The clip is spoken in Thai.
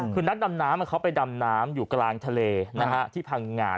คือนักดำน้ำเขาไปดำน้ำอยู่กลางทะเลที่พังงา